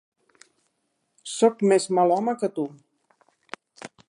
Soc més mal home que tu.